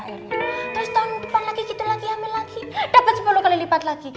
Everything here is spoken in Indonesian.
terus tahun depan lagi gitu lagi hamil lagi dapat sepuluh kali lipat lagi